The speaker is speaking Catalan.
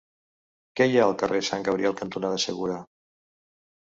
Què hi ha al carrer Sant Gabriel cantonada Segura?